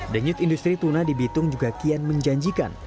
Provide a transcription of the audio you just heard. denyut industri tuna di bitung juga kian menjanjikan